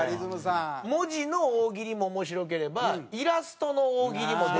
文字の大喜利も面白ければイラストの大喜利もできはる。